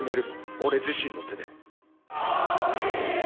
俺自身の手で。